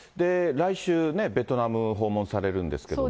来週ね、ベトナム訪問されるんですけども。